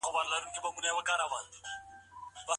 آیا تاسي په کلي کې مېلې کولې؟